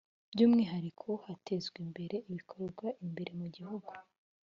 by’umwihariko hatezwa imbere ibikorerwa imbere mu gihugu